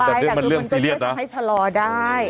แต่คือมันก็ช่วยทำให้ชะลอได้